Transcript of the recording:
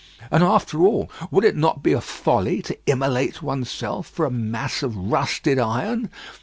And after all, would it not be a folly to immolate oneself for a mass of rusted iron.